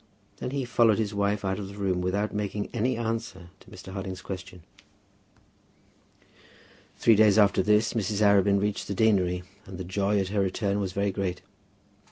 Then he followed his wife out of the room, without making any answer to Mr. Harding's question. Three days after this Mrs. Arabin reached the deanery, and the joy at her return was very great.